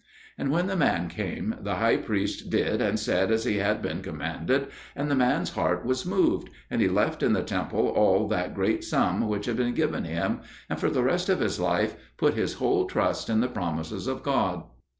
'" And when the man came, the High Priest did and said as he had been commanded; and the man's heart was moved, and he left in the temple all that great sum which had been given him, and for the rest of his life put his whole trust in the promises of God.